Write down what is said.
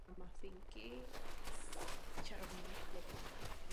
Vláda zachová výši investic do dopravní infrastruktury.